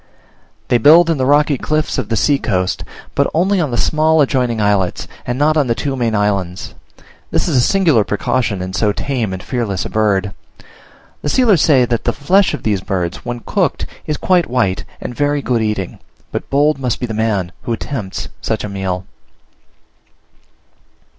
They build in the rocky cliffs of the sea coast, but only on the small adjoining islets, and not on the two main islands: this is a singular precaution in so tame and fearless a bird. The sealers say that the flesh of these birds, when cooked, is quite white, and very good eating; but bold must the man be who attempts such a meal.